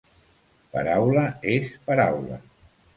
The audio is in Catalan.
Paraula és paraula.